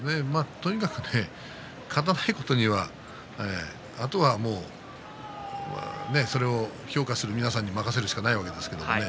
とにかく勝たないことにはあとはもうそれを評価する皆さんに任せるしかないわけですけれどね。